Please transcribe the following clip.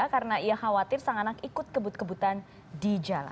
karena ia khawatir sang anak ikut kebut kebutan di jalan